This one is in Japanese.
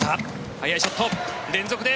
速いショット、連続で。